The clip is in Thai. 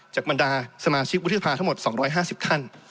บรรดาสมาชิกวุฒิภาทั้งหมด๒๕๐ท่าน